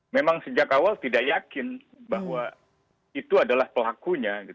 memang sejak awal tidak yakin bahwa itu adalah pelakunya